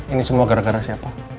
ini semua gara gara siapa